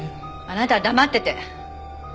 あなたは黙ってて！